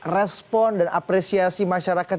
respon dan apresiasi masyarakat